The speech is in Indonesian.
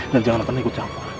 dan jangan pernah ikut jawaban